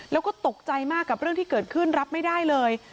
แล้วก็ตกใจมากกับเรื่องที่เกิดขึ้นรับไม่ได้เลย